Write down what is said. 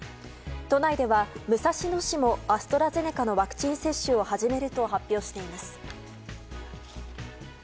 都内では武蔵野市もアストラゼネカのワクチン接種を始めると発表しています。